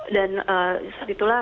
dan saat itulah